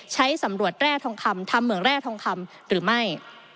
ใช้สำรวจแร่ทองคำทำเหมืองแร่ทองคำหรือไม่